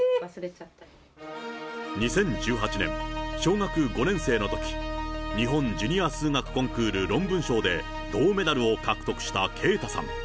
２０１８年、小学５年生のとき、日本ジュニア数学コンクール論文賞で銅メダルを獲得した圭太さん。